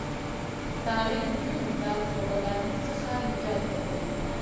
تعلیم نجونو ته د غلامۍ څخه نجات ورکوي.